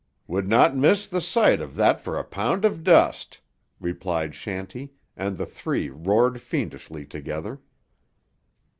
"Would not miss tuh sight of that for a pound of dust," replied Shanty, and the three roared fiendishly together.